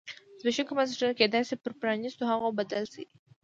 زبېښونکي بنسټونه کېدای شي پر پرانیستو هغو بدل شي.